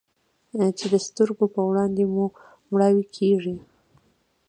چې د سترګو په وړاندې مې مړواې کيږي.